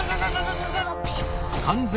プシュ。